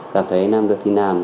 cảm thấy em nằm được thì nằm